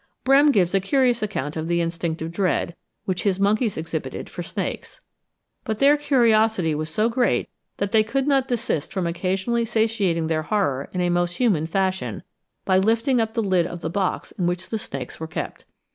Brehm gives a curious account of the instinctive dread, which his monkeys exhibited, for snakes; but their curiosity was so great that they could not desist from occasionally satiating their horror in a most human fashion, by lifting up the lid of the box in which the snakes were kept.